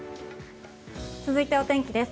続いてはお天気です。